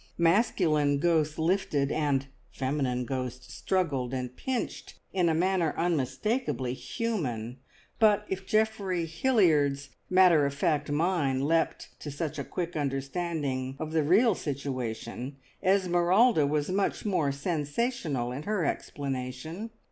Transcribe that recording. Masculine ghost lifted, and feminine ghost struggled and pinched in a manner unmistakably human. But if Geoffrey Hilliard's matter of fact mind leapt to a quick understanding of the real situation, Esmeralda was much more sensational in her explanation.